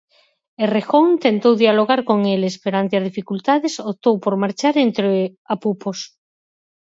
Errejón tentou dialogar con eles, pero ante as dificultades, optou por marchar entre apupos.